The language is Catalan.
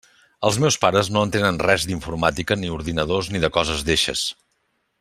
Els meus pares no entenen res d'informàtica ni ordinadors ni de coses d'eixes.